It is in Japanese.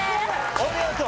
お見事！